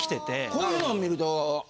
こういうのを見ると。